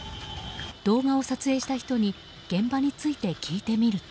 動画を撮影した人に現場について聞いてみると。